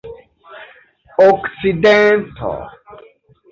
okcidento